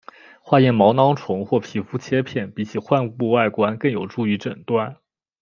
化验毛囊虫或皮肤切片比起患部外观更有助于诊断。